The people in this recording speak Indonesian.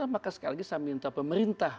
maka sekali lagi saya minta pemerintah